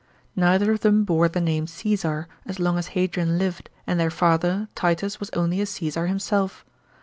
Neither of them bore the name Caesar, as long as Hadrixn lived and their father, Titus, was only a Csesar himself.